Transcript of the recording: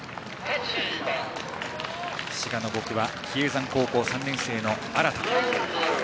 滋賀の５区は比叡山高校３年生、荒田。